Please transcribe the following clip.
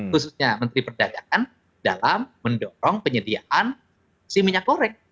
khususnya menteri perdagangan dalam mendorong penyediaan si minyak goreng